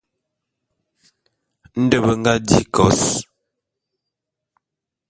Nde be nga di kos.